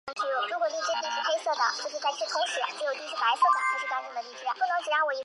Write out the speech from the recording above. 海州区是中国江苏省连云港市所辖的一个市辖区。